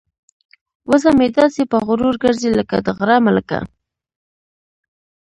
وزه مې داسې په غرور ګرځي لکه د غره ملکه.